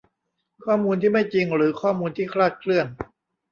ข้อมูลที่ไม่จริงหรือข้อมูลที่คลาดเคลื่อน